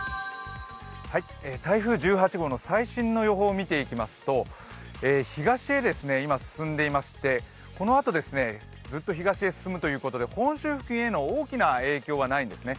台風１８号の最新の予報を見ていきますと、東へ今進んでいまして、このあとずっと東へ進んでいきまして本州付近への大きな影響はないですね。